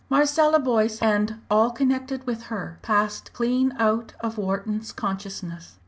Marcella Boyce, and all connected with her, passed clean out of Wharton's consciousness.